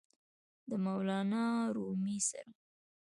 د مولانا رومي سره!!!